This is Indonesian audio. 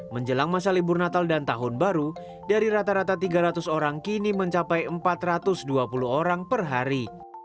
menjelang masa libur natal dan tahun baru dari rata rata tiga ratus orang kini mencapai empat ratus dua puluh orang per hari